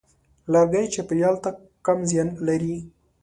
لرګی چاپېریال ته کم زیان لري.